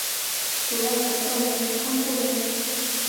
主要城镇为康布雷。